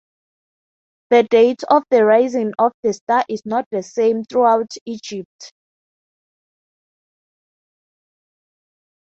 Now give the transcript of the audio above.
The date of the rising of the star is not the same throughout Egypt.